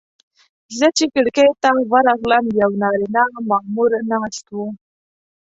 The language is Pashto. زه چې کړکۍ ته ورغلم یو نارینه مامور ناست و.